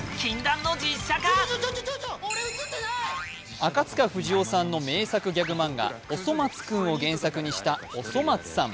赤塚不二夫さんの名作ギャグ漫画「おそ松くん」を原作にした「おそ松さん」。